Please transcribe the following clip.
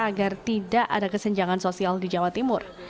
agar tidak ada kesenjangan sosial di jawa timur